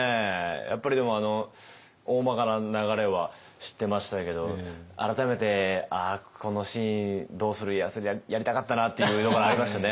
やっぱりでもおおまかな流れは知ってましたけど改めてこのシーン「どうする家康」でやりたかったなっていうところありましたね。